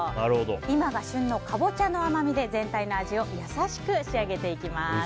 今が旬のカボチャの甘みで全体の味を優しく仕上げていきます。